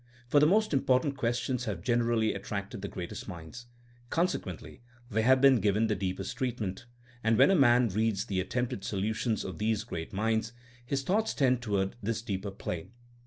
For the most im portant questions have generally attracted the greatest minds; consequently they have been given the deepest treatment; and when a man reads the attempted solutions of these great minds his thoughts tend toward this deeper plane.